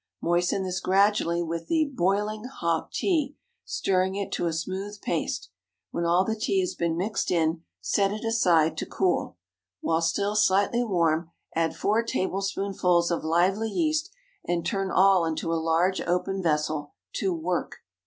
Moisten this gradually with the boiling hop tea, stirring it to a smooth paste. When all the tea has been mixed in, set it aside to cool. While still slightly warm, add four tablespoonfuls of lively yeast, and turn all into a large open vessel to "work."